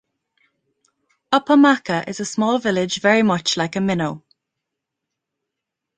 Upamaka, is a small village very much like a Minnow.